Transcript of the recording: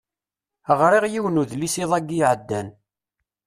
Ɣriɣ yiwen udlis iḍ-agi iɛeddan.